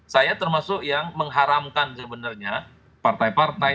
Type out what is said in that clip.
saya termasuk yang mengharamkan sebenarnya partai partai